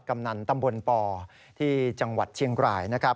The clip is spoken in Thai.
กำนันตำบลปที่จังหวัดเชียงรายนะครับ